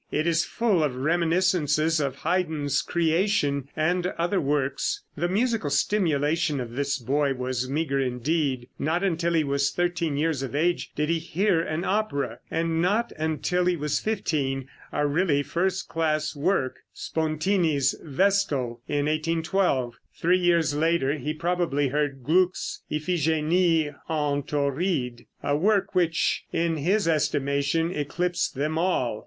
It is full of reminiscences of Haydn's "Creation" and other works. The musical stimulation of this boy was meager indeed. Not until he was thirteen years of age did he hear an opera; and not until he was fifteen a really first class work, Spontini's "Vestal," in 1812. Three years later he probably heard Gluck's "Iphigenie en Tauride," a work which in his estimation eclipsed them all.